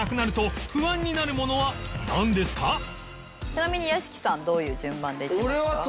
ちなみに屋敷さんどういう順番でいきますか？